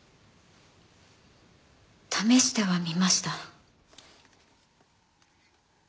試してはみました。